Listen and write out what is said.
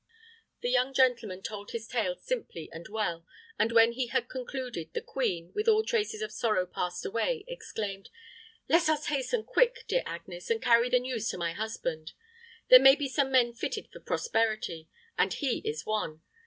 The young gentleman told his tale simply and well; and when he had concluded, the queen, with all traces of sorrow passed away, exclaimed, "Let us hasten quick, dear Agnes, and carry the news to my husband! There be some men fitted for prosperity, and he is one.